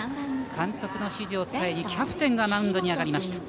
監督の指示を伝えにキャプテンがマウンドに上がりました。